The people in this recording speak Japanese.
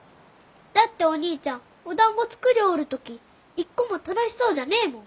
だってお兄ちゃんおだんご作りょうる時いっこも楽しそうじゃねえもん。